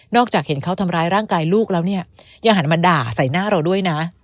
จากเห็นเขาทำร้ายร่างกายลูกแล้วเนี่ยยังหันมาด่าใส่หน้าเราด้วยนะ